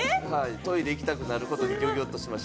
トイレ行きたくなることにギョギョッとしました。